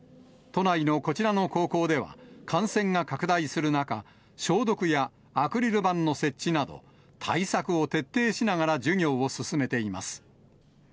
都内のこちらの高校では、感染が拡大する中、消毒やアクリル板の設置など、対策を徹底しながら授業を進めています。